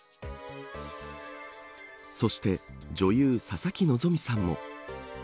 そして女優、佐々木希さんも。